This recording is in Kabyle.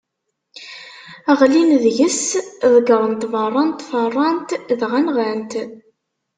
Ɣlin deg-s, ḍeggren-t beṛṛa n tfeṛṛant dɣa nɣan-t.